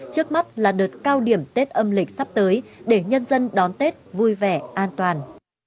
trước mắt là đợt cao điểm tết âm lịch sắp tới để nhân dân đón tết vui vẻ an toàn